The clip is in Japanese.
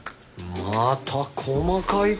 また細かい事を。